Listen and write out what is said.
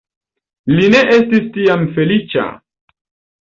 Li ne estis tiam feliĉa.